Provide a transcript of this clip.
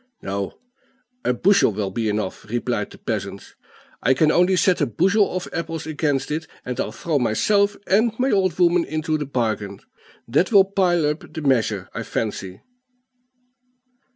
"No; a bushel will be enough," replied the peasant. "I can only set a bushel of apples against it, and I'll throw myself and my old woman into the bargain; that will pile up the measure, I fancy."